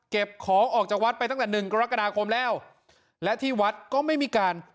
ของออกจากวัดไปตั้งแต่หนึ่งกรกฎาคมแล้วและที่วัดก็ไม่มีการ